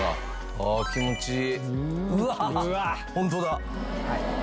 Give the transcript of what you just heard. ああ気持ちいい。